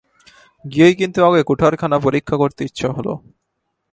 গিয়েই কিন্তু আগে কুঠারখানা পরীক্ষা করতে ইচ্ছা হল।